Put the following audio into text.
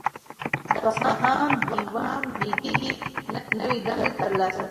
د اصفهان دیوان بیګي نوی دنده ترلاسه کړه.